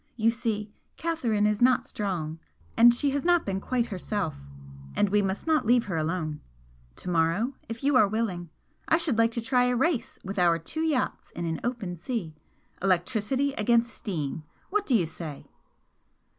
You see, Catherine is not strong, and she has not been quite herself and we must not leave her alone. To morrow, if you are willing, I should like to try a race with our two yachts in open sea electricity against steam! What do you say?"